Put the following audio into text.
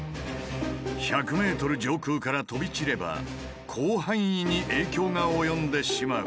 １００ｍ上空から飛び散れば広範囲に影響が及んでしまう。